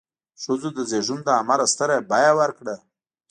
ښځو د زېږون له امله ستره بیه ورکړه.